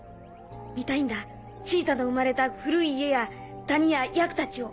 見たいんだシータの生まれた古い家や谷やヤクたちを。